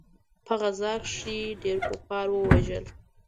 په غزا کښې يې ډېر کفار ووژل.